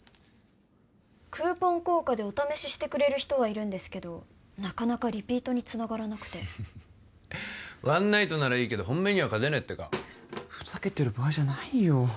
クーポン効果でお試ししてくれる人はいるんですけどなかなかリピートにつながらなくてワンナイトならいいけど本命には勝てねえってかふざけてる場合じゃないよ